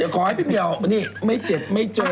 ขอให้พี่เมียลไม่เจ็บไม่โจร